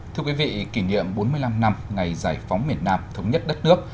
thưa quý vị kỷ niệm bốn mươi năm năm ngày giải phóng miền nam thống nhất đất nước